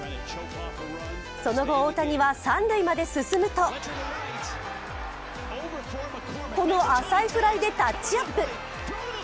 その後、大谷は三塁まで進むとこの浅いフライでタッチアップ。